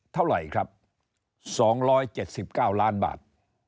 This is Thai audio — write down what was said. เท่าไหร่ครับ๒๗๙ล้านบาท